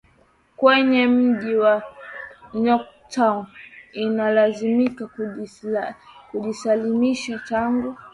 kwenye mji wa Yorktown ikalazimika kujisalimisha Tangu